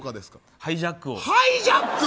ハイジャック？